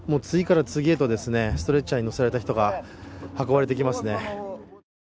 次から次へとストレッチャーに乗せられた人が運ばれてきますね。